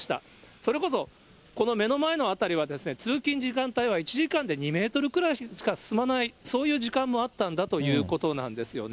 それこそ、この目の前の辺りは、通勤時間帯は１時間で２メートルくらいしか進まない、そういう時間もあったのだということなんですよね。